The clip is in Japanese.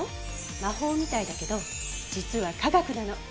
魔法みたいだけど実は化学なの。